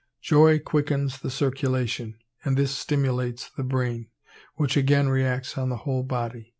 Joy quickens the circulation, and this stimulates the brain, which again reacts on the whole body.